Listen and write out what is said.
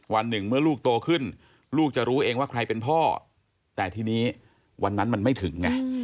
วันหนึ่งเมื่อลูกโตขึ้นลูกจะรู้เองว่าใครเป็นพ่อแต่ทีนี้วันนั้นมันไม่ถึงไง